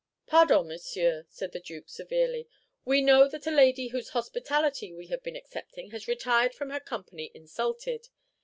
"Pardon, monsieur," said the Duke, severely. "We know that a lady whose hospitality we have been accepting has retired from her company insulted.